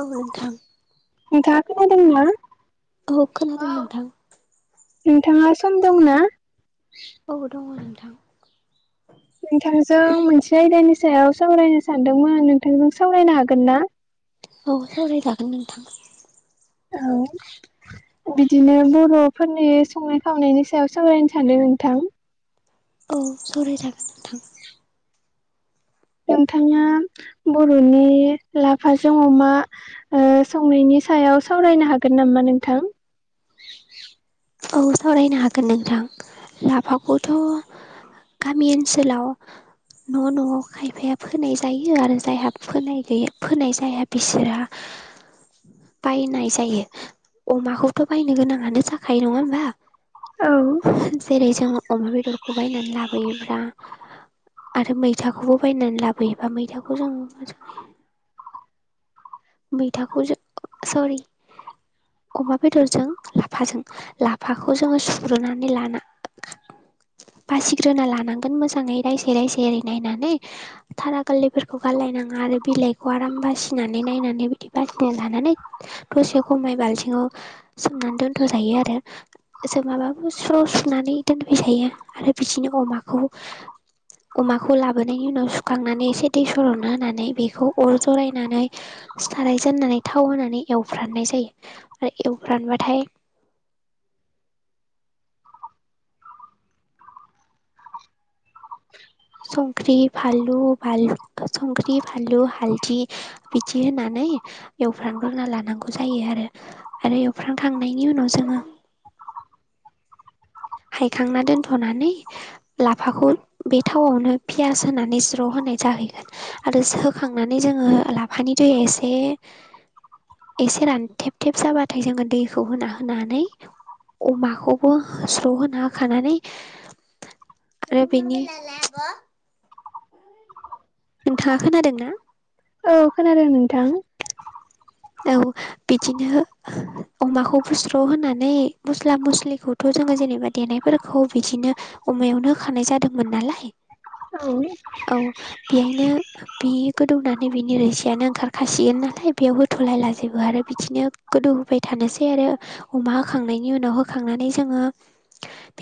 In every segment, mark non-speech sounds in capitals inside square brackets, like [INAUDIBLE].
औ नोंथां नोंथांआ खोनादोंंना? औ खोनादों नोंथां। नोंथाङा सम दंना? औ दङ नोंथां। नोंथांजों मोनसे आयदानि सायाव सावरायनो सानदोंमोन नोंथांजों सावरायनो हागोन ना? औ सावरायजागोन नोंथां। औ बिदिनो बर'फोरनि संनाय खावनायनि सायाव सावरायनो सान्दों नोंथां। औ सावराय जागोन नोंथां। नोंथाङा बर'नि लाफाजों अमा ओ संनायनि सायाव सावरायनो हागोन नामा नोंथां? औ सावरायनो हागोन नोंथां लाफाखौथ' गामि ओनसोलाव न' न'आव खायफाया फोनाय जायो आरो जायहा फोनाय गैया फोनाय जाया बिसोरहा [INAUDIBLE] बायनाय जायो अमाखौथ' बायनो गोनाङानो जाखायो नङा होमबा? औ जेरै जोङो अमा बेदरखौ बायनानै लाबोयोब्ला आरो मैथाखौबो बायनानै लाबोयोबा मैथाखौ जोङो मोजाङै मैथाखौ सरि अमा बेदरजों लाफाजों लाफाखौ जोङो सुग्रोनानै लाना बासिग्रोना लानांगोन मोजाङै रायसे रायसे एरै नायनानै थारा गोरलैफोरखौ गारलायनाङा आरो बिलाइखौ आराम बासिनानै नायनानै बि बिदि बासिनो लानानै दसे खमाय बाल्थिङाव सोमनानै दोन्थ' जायो आरो सोमाबाबो स्र सुनानै दोनफै जायो आरो बिसिनो अमाखौ [INAUDIBLE] अमाखौ लाबोनायनि उनाव सुखांनानै एसे दै सररनो होनानै बेखौ अर जरायनानै साराय जेननानै थाव होनानै एवफ्राननाय जायो आरो एवफ्रानबाथाय संख्रि फालु संख्रि फालु हालदि बिदि होनानै एवफ्रानग्रोना लानांगौ जायो आरो। आरो एवफ्रामखांनायनि उनाव जोङो हायखांना दोनथ'नानै लाफाखौ बे थावआवनो पियास होनानै ज्र' होनाय जाहैगोन। आरो होखांनानै जोङो लाफानि दैया एसे एसे रानथेब थेब जाबाथाय जोङो दैखौ होना होनानै अमाखौबो स्र' होना होखानानै आरो बेनि नोंथाङा खोनादों ना? औ खोनादों नोंथां। औ बिदिनो अमाखौ बुस्र' होनानै मस्ला मस्लिखौथ' जोङो जेनेबा देनायफोरखौ बिदिनो अमायावनो होखानाय जादोंमोन नालाय औ। औ बेहायनो बे गोदौनानै बिनि रोसियानो ओंखारखासिगोन नालाय बेयाव हो थलायलाजोबो आरो बिदिनो गोदौहोफै थानोसै आरो अमा होखांनायनि उनाव होखांनानै जोङो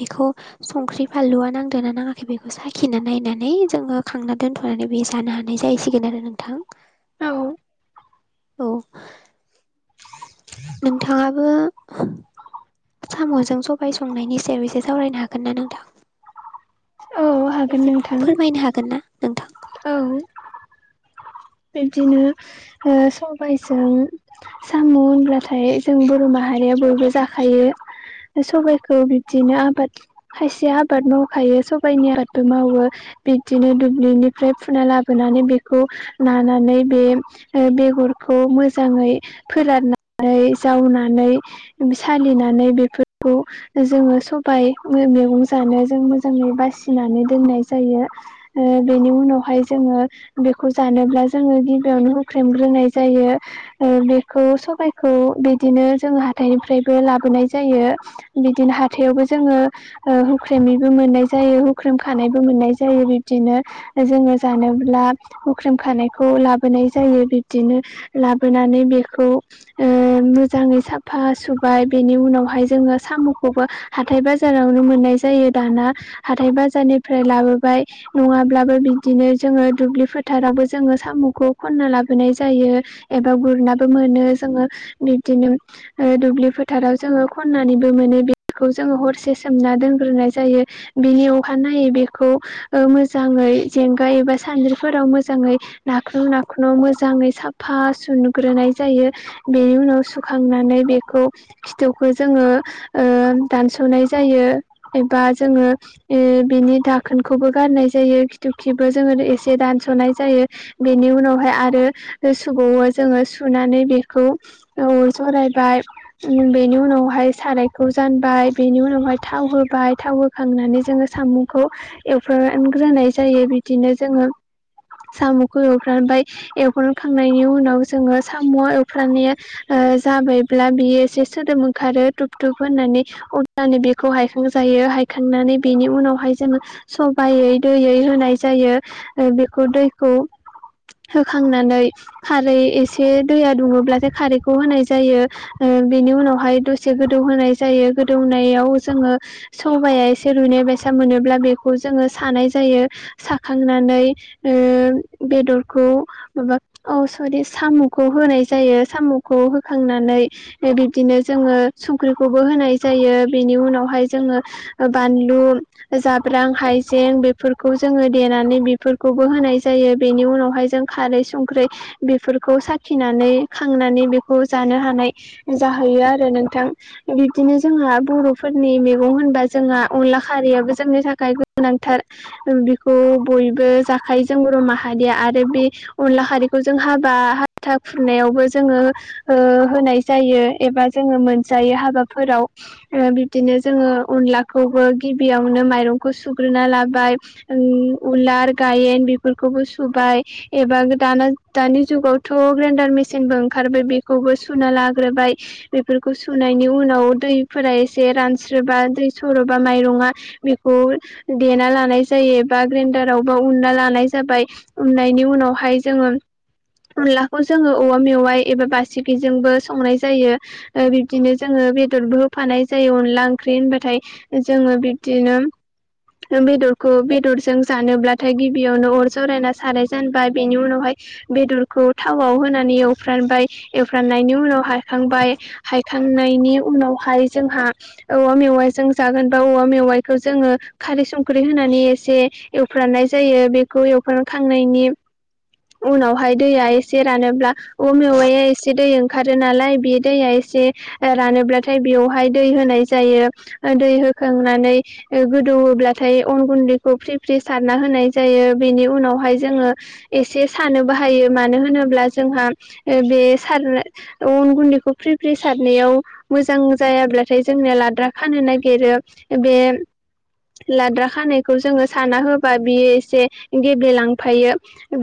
बेखौ संख्रि फानलु नांदो ना नाङाखै बेखौ साखिना नायनानै जोङो खांना दोन्थ' माने बे जानो हानाय जाहैसिगोन आरो नोंथां। औ औ। नोंथाङाबो साम'जों सबाय संनायनि सायाव एसे सावरायनो हागोन ना नोंथां? औ हागोन एसे नोंथां फोरमायनो हागोन ना नोंथां? औ। बिब्दिनो ओ सबायजों साम' होनब्लाथाय जों बर' माहारिया बयबो जाखायो। सबाइखौ बिबदिनो आबाद खायसे आबाद मावखायो सबाइनि आबादबो मावो बिदिनो दुब्लिनिफ्राय फुना लाबोनानै बेखौ नानानै बे बेगरखौ मोजाङै फोराननानै जावनानै सालिनानै बेफोरखौ जोङो सबाय मैगं जानो जों मोजाङै बासिनानै दोननाय जायो। बेनि उनावहाय जोङो बेखौ जानोब्ला जोङो गिबियावनो हुख्रेमग्रोनाय जायो। ओ बेखौ सबायखौ बिदिनो जोङो हाथाइनिफ्रायबो लाबोनाय जायो। बिदिनो हाथायावबो जोङो हुख्रेमैबो मोननाय जायो हुख्रेम खानायबो मोननाय जायो बिब्दिनो जोङो जानोब्ला हुख्रेम खानायखौ लाबोनाय जायो बिब्दिनो लाबोनानै बेखौ ओ मोजाङै साफा सुबाय बेनि उनावहाय जोङो साम'खौबो हाथाय बाजारावनो मोननाय जायो दाना। हाथाय बाजारनिफ्राय लाबोबाय नङाब्लाबो बिदिनो जोङो दुब्लिफोर फोथारावबो जोङो साम'खौ खन्ना लाबोनाय जायो एबा गुरनाबो मोनो जोङो। बिबदिनो ओ दुब्लि फोथाराव जोङो खन्नानैबो मोनो बेखौ जोङो हरसे सोमना दोनग्रोनाय जायो। बिनि अखानायै बेखौ ओ मोजाङै जेंगा एबा सानद्रिफोराव मो मोजाङै नाख्लु नाखुन मोजाङै साफा सुनग्रोनाय जायो। बेनि उनाव सुखांनानै बेखौ खिथुखौ जोङो ओ दानस'नाय जायो एबा जोङो ओ बिनि दाखोनखौबो गारनाय जायो खिथु खिबो जोङो एसे दानस'नाय जायो। बेनि उनावहाय आरो सुबावो जोङो सुनानै बेखौ औ जरायबाय बेनि उनावहाय सारायखौ जानबाय बेनि उनावहाय थाव होबाय थाव खांनानै जोङो सामुंखौ एवफ्रानग्रोनाय जायो बिदिनो जोङो साम'खौ एवफ्रामबाय एवफ्राखांनायनि उनाव जोङो साम' एवफ्रामनाया ओ जाबायब्ला बियो एसे सोदोब ओंखारो धुुब धुब होननानै अब्लानो बेखौ हायखांजायो हायखांनानै बेनि उनावहाय जोङो सबायै दैयै होनाय जायो ओ बेखौ दैखौ होखांनानै खारै एसे दैया दुङोब्लाथाय खारैखौ होनाय जायो। ओ बेनि उनावहाय दसे गोदौ होनाय जायो गोदौनायाव जोङो सबाया एसे रुयनाय बायसा मोनोब्ला बेखौ जोङो सानाय जायो साखांनानै ओ बेदरखौ माबा औ सरि साम'खौ होनाय जायो साम'खौ होखांनानै बे बिब्दिनो जोङो संख्रिखौबो होनाय जायो बेनि उनावहाय जोङो ओ बानलु जाब्रां हाइजें बेफोरखौ जोङो देनानै बेफोर खौबो होनाय जायो बेनि उनावहाय जों खारै संख्रै बेफोरखौ साखिनानै खांनानै बेखौ जानो हानाय जाहैयो आरो नोंथां। बिब्दिनो जोंहा बर'फोरनि मैगं होनबा जोंहा अनला खारैयाबो जोंनि थाखाय गोनांथार। ओ बेखौ बयबो जाखायो जों बर' माहारिया आरो बे अनला खारैखौ जों हाबा हाथा खुरनायावबो जोङो ओ होनाय जायो एबा जोङो मोनजायो हाबाफोराव। ओ बिबदिनो जोङो अनलाखौबो गिबियावनो माइरंखौ सुग्रोना लाबाय। ओय उलार गायेन बेफोरखौबो सुबाय। एबा दाना दानि जुगावथ' ग्रेन्डार मेसिनबो ओंखारबाय बेखौबो सुना लाग्रोबाय। बेफोरखौ सुनायनि उनाव दैफोरा एसे रानस्रोबा दै सरोबा माइरङा बेखौ देना लानाय जायो बा ग्रेन्डाराव [UNINTELLIGIBLE] उनना लानाय जाबाय उननायनि उनावहाय जोङो अनलाखौ जोङो औवा मेवाइ एबा बासिगिजोंबो संनाय जायो। ओ बिब्दिनो जोङो बेदरबो होफानाय जायो अनला ओंख्रि होनबाथाय। जोङो बिब्दिनो बेदरखौ बेदरजों जानोब्ला नाथाय गिबियावनो अर जरायना साराय जानबाय बेनि उनावहाय बेदरखौ थावआव होनानै एवफ्रानबाय एवफ्राननायनि उनाव हायखांबाय हायखांनायनि उनावहाय जोंहा औवा मेवाइजों जागोन बा औवा मेवाइखौ जोङो खारै संख्रि होनानै एसे एवफ्रामनाय जायो बेखौ एवफ्रामखांनायनि उनावहाय दैया ए से रानोब्ला औवा मेवाइया एसे दै ओंखारो नालाय बे दैया एसे रानोब्लाथाय बेवहाय दै होनाय जायो। ओ दै होखांनानै गोदौयोब्लाथाय अन गुन्दैखौ फ्रि फ्रि सारना हो होनाय जायो बेनि उनावहाय जोङो एसे सानोबो हायो मानो होनोब्ला जोंहा ओ बे सार अन गुन्दैखौ फ्रि फ्रि सारनायाव मोजां जायाब्लाथाय जोंनो लाद्रा खानो नागिरो बे लाद्रा खानायखौ जोङो साना होबा बियो एसे गेब्लेलांफायो।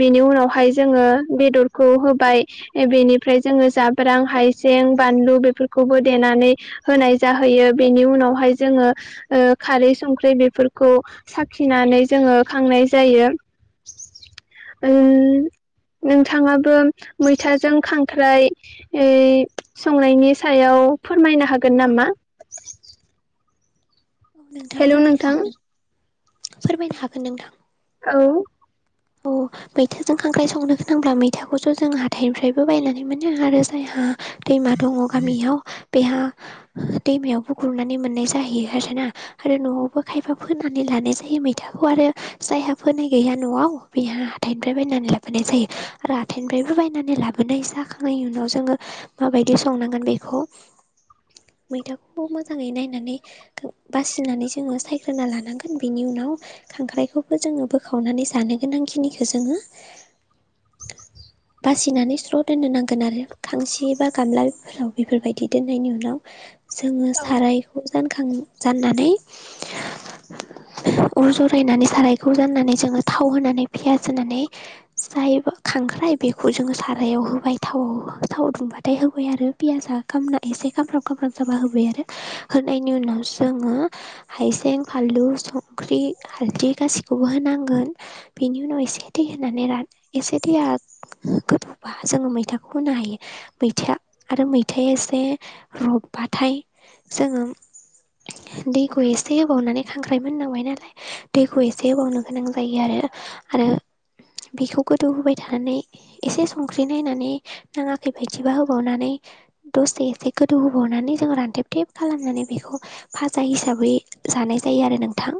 बिनि उनावहाय जोङो बेदरखौ होबाय बेनिफ्राय जोङो जाब्रां हायजें बानलु बेफोरखौबो देनानै होनाय जाहैयो बेनि उनावहाय जोङो ओ खारै संख्रि बेफोरखौ साखिनानै जोङो खांनाय जायो। ओ नोंथाङाबो मैथाजों खांख्राइ ओय संनायनि सायाव फोरमायनो हागोन नामा? औ नोंथां हेलौ फोरमायनो नोंथां हागोन फोरमायनो हागोन नोंथां। औ। औ [INAUDIBLE] मैथाजों खांख्राइ संनो गोनांब्ला मैथाखौस' जों हाथाइनिफ्रायबो बायनानै मोनो आरो जायहा दैमा दङ गामियाव बेहा दैमायावबो गुरनानै मोननाय जाहैयो आरो ना। आरो न'आवबो खायफा फोनानै लानाय जायो मैथाखौ आरो जायहा फोनाय गैया न'आव बेहा हाथाइनिफ्राय बायनानै लाबोनाय जायो। आरो हाथाइनिफ्रायबो बायनानै लाबोनाय जाखांनायनि उनाव जोङो माबायदि संनांगोन बेखौ मैथाखौबो मोजाङै नायनानै बासिनानै जोङो सायग्रोलानांगोन बेनि उनाव खांख्राइखौबो जोङो बोखावनानै जानो गोनां खिनिखौ जोङो अ बासिनानै स्र' दोननो नांगोन आरो खांसि बा गामला फोराव बेफोरबायदि दोननायनि उनाव जोङो औ साराय जानखां जाननानै अर जरायनानै सारायखौ जाननानै जोङो थाव होनानै पियास होनानै जाय खांख्राइ बेखौ जोङो सारायाव होबाय थाव थाव दुमबाथाय होबाय आरो पियााजआ खामना एसे खामफ्रामब खामफ्राम जाबा होबाय आरो होनायनि उनाव जोङो हायजें फानलु संख्रि हाल्दै गासिखौबो होनांगोन। बिनि उनाव एसे दैै होनानै रान एसे दैया गोदौबा जोङो मैथाखौ होनो हायो। मैथाया आरो मैथाया एसे रबबाथाय जोङो दैखौ एसे होबावनानै खांख्राइ मोननांबाय नालाय दैखौ एसे बावनो गोनां जायो आरो। आरो बेखौ गोदौहोबाय थानानै एसे संख्रि नायनानै नाङाखै बायदिबा होबावनानै दसे एसे गोदौहोबावनानै जों रानथेब थेब खालामनानै बेखौ फाजा हिसाबै जानाय जायो आरो नोंथां।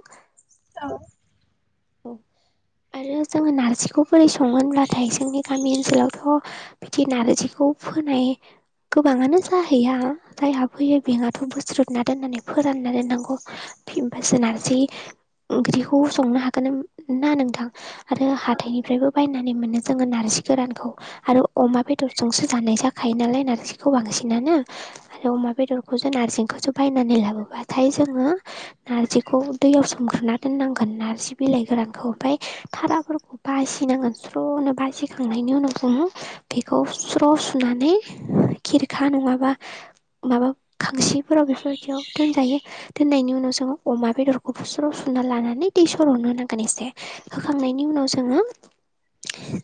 औ औ आरो जोङो नारजिखौ बोरै सङोनब्लाथाय जोंनि गामि ओनसोलावथ' बिदि नारजिखौ फोनाय गोबाङानो जाहैया जायहा फोयो बेहाथ' बोस्रोदना दोननानै फोरानना दोननांगौ होमबासो नारजि ओंख्रिखौ संनो हागोन ना नोंथां। आरो हाथथायनिफ्रायबो बायनानै मोनो जोङो नारजि गोरानखौ आरो अमा बेदरजोंसो जानाय जाखायो नालाय नारजिखौ बांसिनानो आरो अमा बेदरखौ जों नारजिंखौसो बायनानै लाबोबाथाय जोङो नार्जिखौ दैयाव सोमग्रोना दोननांगोन नार्जि बिलाइ गोरानखौ ओमफफ्राय थाराफोरखौ बासिनांगोन स्र'नो बासिखांनायनि उनाव जोंङो बेखौ स्र' सुनानै खिरखा नङाबा माबा खांसिफोराव बेफोरबायदियाव दोनजायो। दोननायनि उनाव जोङो अमा बेदरखौ स्र' सुना लानानै दै स सरननो नांगोन एसे होखांनायनि उनाव जोङो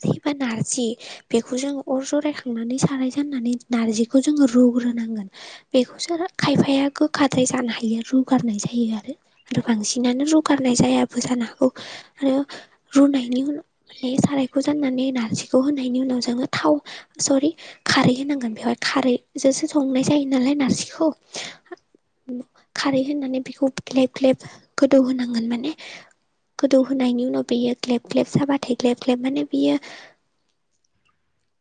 जे बा नारजि बेखौ जोङो अर जरायखांनानै साराय जाननानै नारजिखौ जोङो रुग्रोनांगोन। बेखौसो खायफाया गोखाद्राय जानो हायो रुगारनाय जायो आरो। आरो बांसिनानो रुगारनाय जायाबो जानो हागौ आरो रुनायनि नै सारायखौ जाननानै नारजिखौ होनायनि उनाव जोङो थाव सरि खारै होनांगोन बेवहाय खारैजोंसो संनाय जायो नालाय नारजिखौ। खारै होनानै बेखौ ग्लेब -ग्लेब गोदौ होनांगोन माने गोदौ होनोनायनि उनाव बियो ग्लेब- ग्लेब जाबाथाय ग्लेब -ग्लेब माने बियो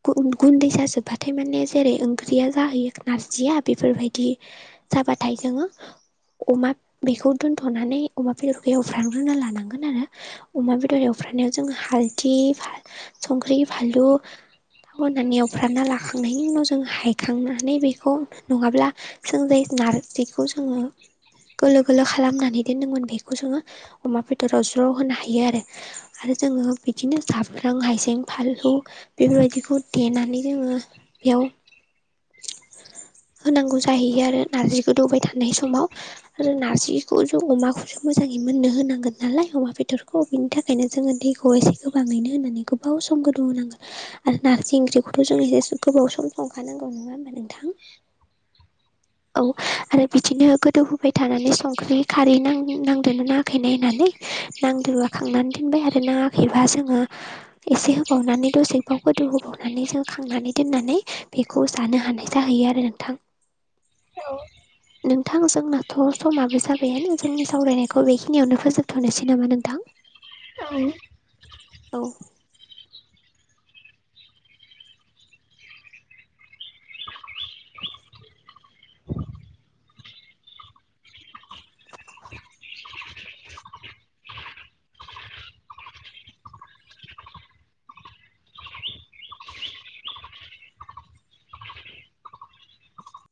गुन गुन्दै जाजोबबाथाय माने जेरै ओंख्रिया जाहैयो नारजिया बेफोरबायदि जाबाथाय जोङो अमा बेखौ दोन्थ'नानै अमा बेदरखौ फ्रग्रोना लानांगोन आरो अमा बेदर एवफ्रनायाव जोङो हालदि संख्रि फानलु थाव होनानै एवफ्रानना लाखांनायनि उनाव जों हायखांनानै बेखौ नङाब्ला जों जाय नारजिखौ जोङो गोलो गोलो खालामनानै दोनदोंमोन बेखौ जोङो अमा बेदराव ज्र' होनो हायो आरो। आरो जोङो बिदिनो जाम्रां हायजें फानलु। बेफोरबायदिखौ देनानै जोङो बेयाव [INAUDIBLE] होनांगौ जाहैयो आरो नारजिखौ गोदौबाय थानाय समाव। आरो नारजिखौ जों अमाखौ [INAUDIBLE] मोननो होनांगोन नालाय अमा बेदरखौ बिनि थाखायनो जोङो दैखौ एसे गोबाङैनो होनानै गोबाव सम गोदौ होनां [INAUDIBLE] आरो नारजि ओंख्रिखौथ' जों एसे गोबाव सम संखानांगौ नङा होमबा नोंथां? औ आरो बिदिनो गोदौ होबाय थानानै संख्रि खारै नां नां। दोंना नाङाखै नायनानै नांदोंबा खांनानै दोनबाय आरो नाङाखैबा जोङो एसे होबावनानै दसेबाव गोदौ होबावनानै जों खांनानै दोननानै बे खौ जानो हानाय जाहैयो आरो नोंथां। औ नोंथां जोंनाथ' समाबो जाबायानो जोंनि सावरायनाय खौ बेखिनियावनो फोजोबथ'नोसै नामा नोंथां? औ औ